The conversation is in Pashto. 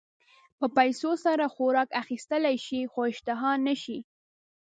په پیسو سره خوراک اخيستلی شې خو اشتها نه شې.